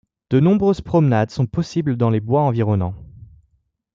De nombreuses promenades sont possibles dans les bois environnants.